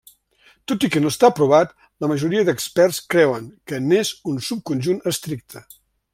Tot i que no està provat, la majoria d'experts creuen que n'és un subconjunt estricte.